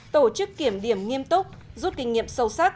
tổ chức kiểm điểm nghiêm túc rút kinh nghiệm sâu sắc